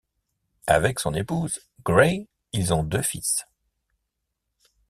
Avec son épouse, Gray, ils ont deux fils.